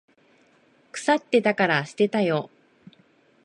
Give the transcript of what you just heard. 腐ってたから捨てたよ。